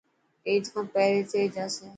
عيد کان پهري ٿي جاسي.